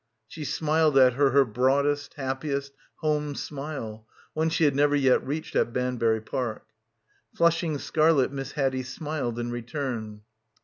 ... She smiled at her her broadest, happiest, home smile, one she had never yet reached at Ban bury Park. Flushing scarlet Miss Haddie smiled in return.